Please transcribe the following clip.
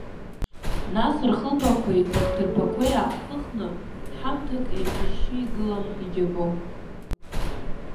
Нас, рхылԥақәеи рыхҭарԥақәеи аархыхны, ҳамҭак еиқәышьшьы игылан, иџьабо.